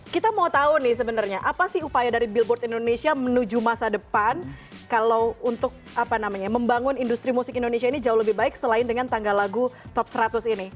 kita mau tahu nih sebenarnya apa sih upaya dari billboard indonesia menuju masa depan kalau untuk apa namanya membangun industri musik indonesia ini jauh lebih baik selain dengan tanggal lagu top seratus ini